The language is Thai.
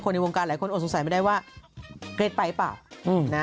ในวงการหลายคนอดสงสัยไม่ได้ว่าเครียดไปหรือเปล่า